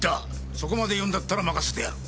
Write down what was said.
そこまで言うんだったら任せてやる。